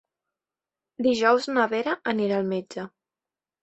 Dijous na Vera anirà al metge.